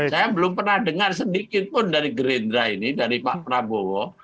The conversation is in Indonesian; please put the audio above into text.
saya belum pernah dengar sedikitpun dari gerindra ini dari pak prabowo